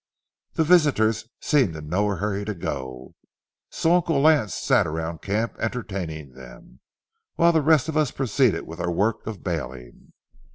The visitors seemed in no hurry to go, so Uncle Lance sat around camp entertaining them, while the rest of us proceeded with our work of baling.